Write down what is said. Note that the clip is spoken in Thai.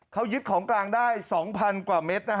เขายึดของกลางได้๒๐๐๐กว่าเมตร